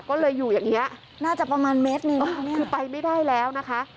ก็เลยอยู่อย่างนี้น่าจะประมาณเมตรหนึ่งคือไปไม่ได้แล้วนะคะ